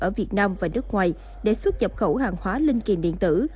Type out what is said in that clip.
ở việt nam và nước ngoài để xuất nhập khẩu hàng hóa linh kiện điện tử